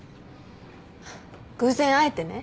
偶然会えてね。